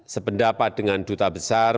sependapat dengan duta besar